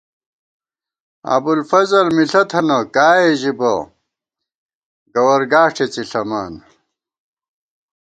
ابُوالفضل مِݪہ تھنہ ، کائے ژِبہ ، گوَر گاݭٹے څِݪَمان